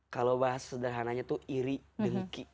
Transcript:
kalau bahas sederhananya itu iri dengki